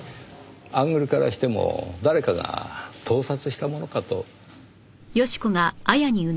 アングルからしても誰かが盗撮したものかと。